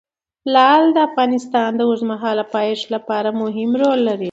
لعل د افغانستان د اوږدمهاله پایښت لپاره مهم رول لري.